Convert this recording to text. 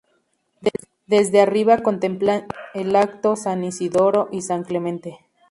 Desde arriba contemplan el acto San Isidoro y San Clemente.